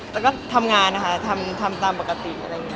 แล้วก็ทำงานนะคะทำตามปกติ